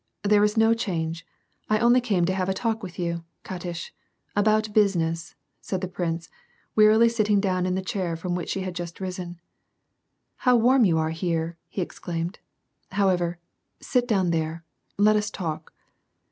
There is no change, I only came to have a talk with you, Katish — about business," said the prince, wearily sitting down in the chair from which she had just risen. "How warm you are here," he exclaimed. "However, sit down there ; let us talk."